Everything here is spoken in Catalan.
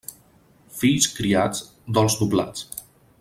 Fills criats, dols doblats.